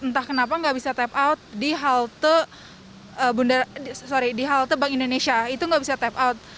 entah kenapa nggak bisa tap out di halte bank indonesia itu nggak bisa tap out